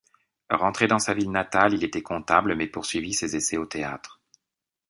Rentré dans sa ville natale, il était comptable mais poursuivit ses essais au théâtre.